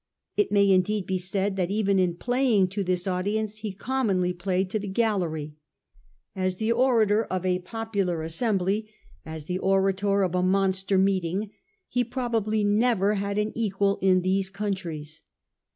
It may indeed be said that even in playing to this audience he com monly played to the gallery. As the orator of a 276 A HISTORY OF OUR OWN TIMES. cn. xii. popular assembly, as the orator of a monster meeting, he probably never had an equal in these countries.